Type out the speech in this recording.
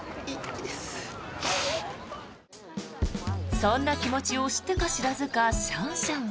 そんな気持ちを知ってか知らずかシャンシャンは。